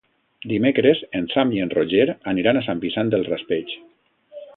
Dimecres en Sam i en Roger aniran a Sant Vicent del Raspeig.